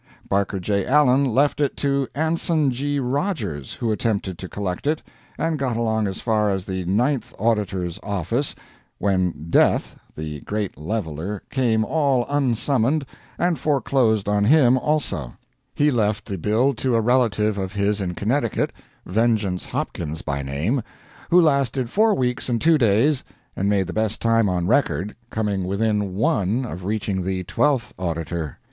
Barker J. Allen left it to Anson G. Rogers, who attempted to collect it, and got along as far as the Ninth Auditor's Office, when Death, the great Leveler, came all unsummoned, and foreclosed on him also. He left the bill to a relative of his in Connecticut, Vengeance Hopkins by name, who lasted four weeks and two days, and made the best time on record, coming within one of reaching the Twelfth Auditor.